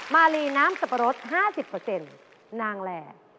มาลีน้ำสับปะรด๕๐นางแหล่